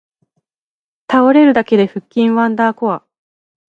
倒れるだけで腹筋ワンダーコア